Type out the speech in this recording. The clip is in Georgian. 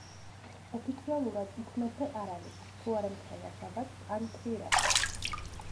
ოფიციალურად უქმე დღე არ არის, თუ არ ემთხვევა შაბათს ან კვირას.